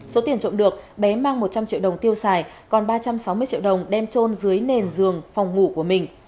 số tiền trộm được bé mang một trăm linh triệu đồng tiêu xài còn ba trăm sáu mươi triệu đồng đem trôn dưới nền giường phòng ngủ của mình